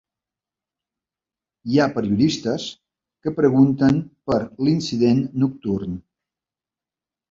Hi ha periodistes que pregunten per l'incident nocturn.